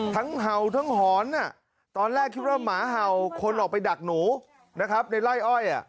เห่าทั้งหอนตอนแรกคิดว่าหมาเห่าคนออกไปดักหนูนะครับในไล่อ้อย